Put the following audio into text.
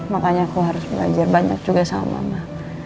makanya aku harus belajar banyak juga sama mama